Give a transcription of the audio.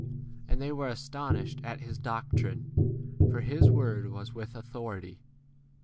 32 And they were astonished at his doctrine, for his word was with authority.